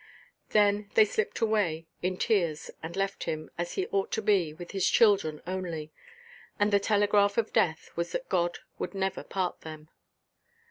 Then they slipped away, in tears, and left him, as he ought to be, with his children only. And the telegraph of death was that God would never part them.